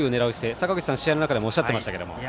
坂口さん、試合の中でもおっしゃっていましたが。